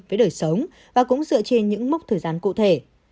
với đời sống và cũng dựa trên những mốc thời gian cụ thể